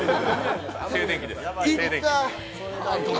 静電気です。